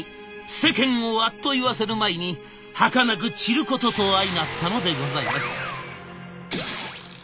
世間をあっと言わせる前にはかなく散ることと相成ったのでございます。